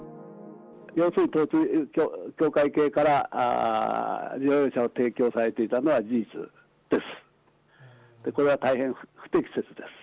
要するに統一教会系から、乗用車を提供されていたのは事実です。